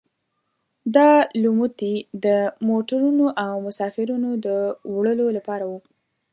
دا لوموتي د موټرونو او مسافرینو د وړلو لپاره وو.